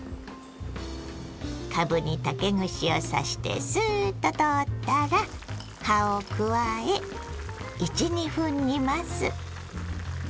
かぶに竹串を刺してスーッと通ったら葉を加え１２分煮ます。